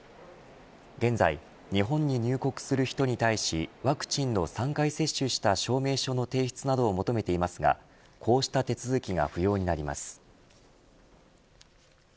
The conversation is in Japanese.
現在、日本に入国する人に対しワクチンを３回接種した証明書の提出などを求めていますがこうした手続きが不要になります。